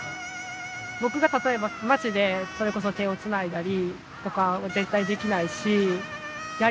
僕が例えば街でそれこそ手をつないだりとかは絶対できないしやり